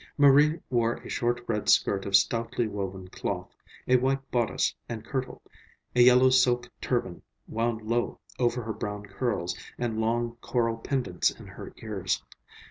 Marie wore a short red skirt of stoutly woven cloth, a white bodice and kirtle, a yellow silk turban wound low over her brown curls, and long coral pendants in her ears.